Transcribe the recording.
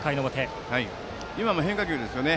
今も変化球ですよね。